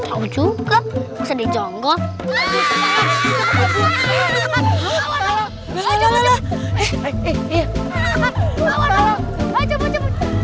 dia juga bisa dijongkak daha ensuring tiene yang bureaucouh